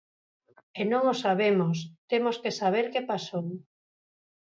E non o sabemos, temos que saber que pasou.